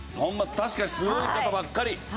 確かにすごい方ばっかり。